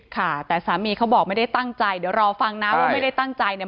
ค่ะแต่สามีเขาบอกไม่ได้ตั้งใจเดี๋ยวรอฟังนะว่าไม่ได้ตั้งใจเนี่ย